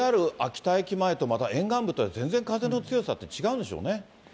ＪＲ秋田駅前と、また沿岸部と全然風の強さって違うんでしょうね。